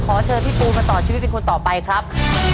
ขอเชิญพี่ปูมาต่อชีวิตเป็นคนต่อไปครับ